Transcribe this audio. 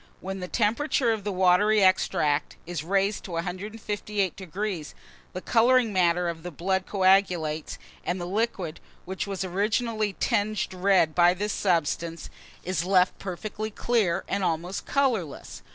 When the temperature of the watery extract is raised to 158°, the colouring matter of the blood coagulates, and the liquid, which was originally tinged red by this substance, is left perfectly clear, and almost colourless.